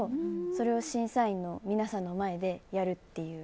それを審査員の皆さんの前でやるという。